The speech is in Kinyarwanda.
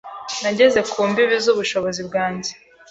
Nageze ku mbibi zubushobozi bwanjye